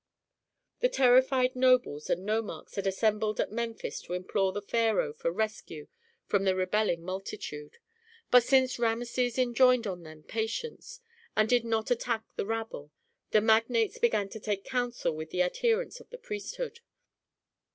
The terrified nobles and nomarchs had assembled at Memphis to implore the pharaoh for rescue from the rebelling multitude. But since Rameses enjoined on them patience, and did not attack the rabble, the magnates began to take counsel with the adherents of the priesthood.